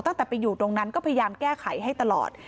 ตั้งแต่ไปอยู่ตรงนั้นก็พยายามแก้ไขให้ตลอด